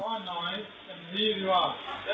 อ๋อน้อยเป็นนี่หรือเปล่า